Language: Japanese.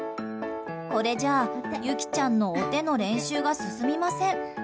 これじゃあ、幸来ちゃんのお手の練習が進みません。